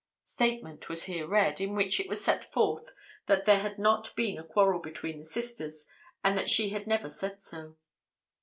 (Statement was here read, in which it was set forth that there had not been a quarrel between the sisters, and that she had never said so.)